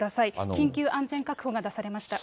緊急安全確保が出されました。